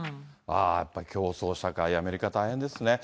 やっぱり競争社会、アメリカは大変ですよね。